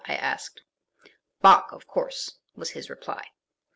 I asked. "Bach, of course", was his reply.